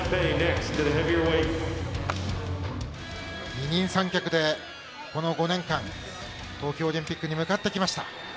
二人三脚で、この５年間東京オリンピックに向かってきました。